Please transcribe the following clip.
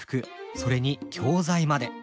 それに教材まで。